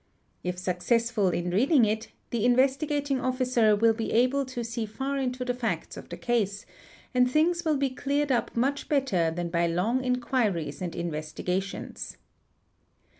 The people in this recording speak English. If successful in reading it, the Investigating Officer will be able to see far into the facts of the case and — things will be cleared up much better than by long inquiries and investi q gations.